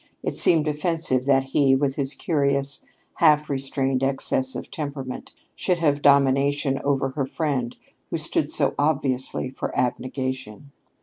It seemed offensive that he, with his curious, half restrained excesses of temperament, should have domination over her friend who stood so obviously for abnegation.